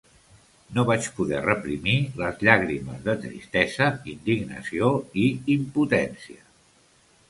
No vaig poder reprimir les llàgrimes de tristesa, indignació i impotència.